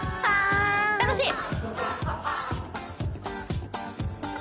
楽しい！